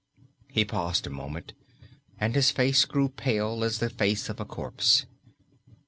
He paused a moment, and his face grew pale as the face of a corpse.